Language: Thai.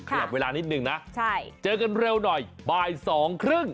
ขยับเวลานิดนึงนะเจอกันเร็วหน่อยบ่ายสองครึ่ง